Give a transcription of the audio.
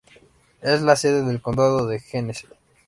Es la sede del condado de Genesee.